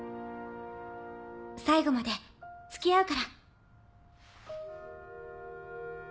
最後まで付き合うから。